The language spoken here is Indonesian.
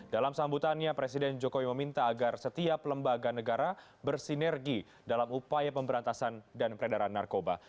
dalam sambutannya presiden jokowi meminta agar setiap lembaga negara bersinergi dalam upaya pemberantasan dan peredaran narkoba